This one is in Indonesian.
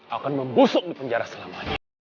akan membusuk di penjara selamanya